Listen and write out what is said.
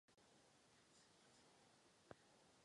Mnohokrát vám děkuji, pane předsedající.